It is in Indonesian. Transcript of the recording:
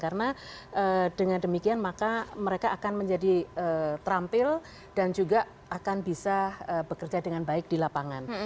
karena dengan demikian maka mereka akan menjadi terampil dan juga akan bisa bekerja dengan baik di lapangan